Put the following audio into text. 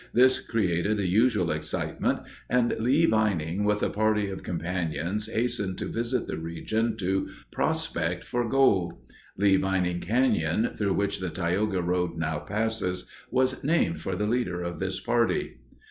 This created the usual excitement, and Lee Vining with a party of companions hastened to visit the region to prospect for gold. Leevining Canyon, through which the Tioga Road now passes, was named for the leader of this party.